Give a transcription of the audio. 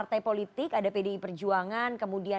tim liputan cnn indonesia